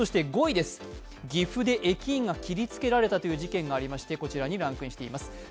５位は岐阜で駅員が切りつけられたという事件がありましてこちらにランクインしています。